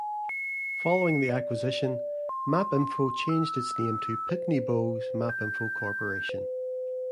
Following the acquisition, MapInfo changed its name to Pitney Bowes MapInfo Corporation.